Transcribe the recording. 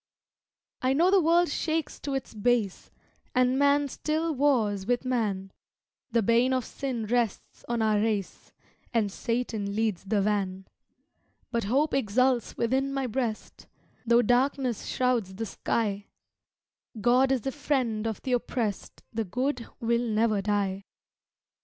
I know the world shakes to its base, And man still wars with man, The bane of sin rests on our race, And Satan leads the van; But hope exults within my breast Tho 'darkness shrouds the sky; God is the friend of the oppressed, The good will never die.